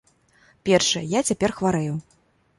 Першае, я цяпер хварэю.